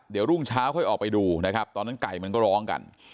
เดี๋ยวรุ่งเช้าค่อยออกไปดูนะครับตอนนั้นไก่มันก็ร้องกัน